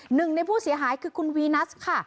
หนึ่งในผู้เสียหายคือคุณวีนัสค่ะ